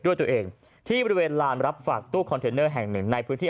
ด้วยตัวเองที่บริเวณรานรับฝากตู้แห่งหนึ่งในพื้นที่